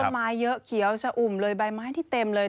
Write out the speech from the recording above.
ไม้เยอะเขียวชะอุ่มเลยใบไม้ที่เต็มเลย